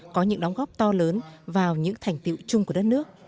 có những đóng góp to lớn vào những thành tiệu chung của đất nước